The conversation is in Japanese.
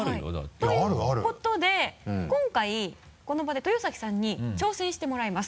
ということで今回この場で豊崎さんに挑戦してもらいます。